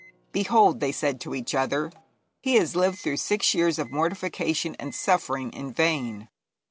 'Behold,' they said to each other, 'he has lived through six years of mortification and suffering in vain.